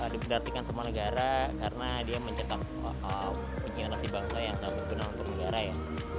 diberdartikan sama negara karena dia mencetak inginerasi bangsa yang tak berguna untuk negara ya